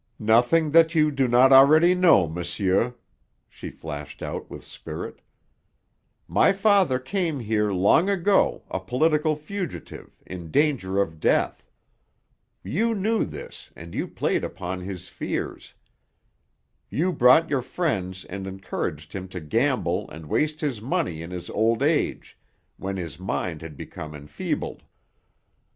"Nothing that you do not already know, monsieur," she flashed out with spirit. "My father came here, long ago, a political fugitive, in danger of death. You knew this, and you played upon his fears. You brought your friends and encouraged him to gamble and waste his money in his old age, when his mind had become enfeebled.